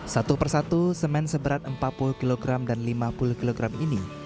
satu persatu semen seberat empat puluh kg dan lima puluh kg ini